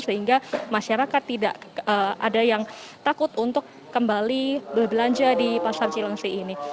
sehingga masyarakat tidak ada yang takut untuk kembali berbelanja di pasar cilengsi ini